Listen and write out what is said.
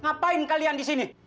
ngapain kalian di sini